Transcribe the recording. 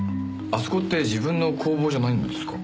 あそこって自分の工房じゃないんですか？